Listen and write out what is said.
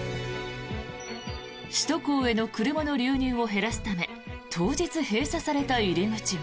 首都高への車の流入を減らすため当日、閉鎖された入り口も。